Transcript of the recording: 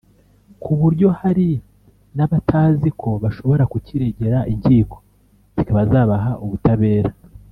kuburyo hari n’abatazi ko bashobora kukiregera inkiko zikaba zabaha ubutabera